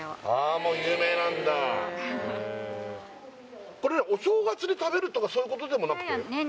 もう有名なんだこれはお正月に食べるとかそういうことでもなくて？